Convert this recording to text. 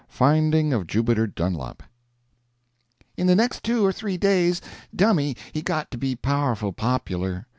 FINDING OF JUBITER DUNLAP In the next two or three days Dummy he got to be powerful popular.